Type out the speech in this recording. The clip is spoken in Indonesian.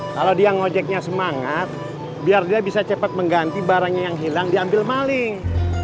kalau dia ngojeknya semangat biar dia bisa cepat mengganti barangnya yang hilang diambil maling